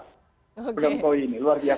program koi ini luar biasa